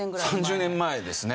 ３０年前ですね。